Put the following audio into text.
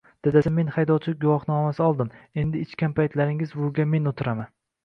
Dadasi, men haydovchilik guvohnomasi oldim. Endi ichgan paytlaringiz rulga men o'tiraman!